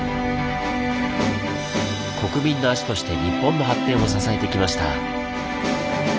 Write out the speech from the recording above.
国民の足として日本の発展を支えてきました。